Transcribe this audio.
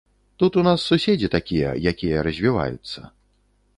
Тут у нас суседзі такія, якія развіваюцца.